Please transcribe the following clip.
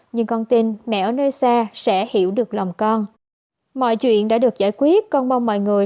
nhưng con tin mẹ ở nơi xa sẽ hiểu được lòng con mọi chuyện đã được giải quyết con mong mọi người